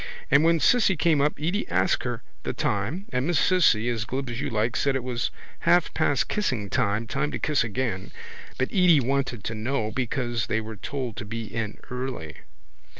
And when Cissy came up Edy asked her the time and Miss Cissy, as glib as you like, said it was half past kissing time, time to kiss again. But Edy wanted to know because they were told to be in early.